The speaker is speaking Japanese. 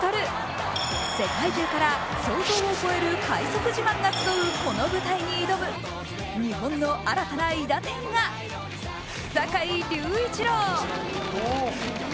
世界中から想像を超える快足自慢が集うこの舞台に挑む日本の新たな韋駄天が坂井隆一郎。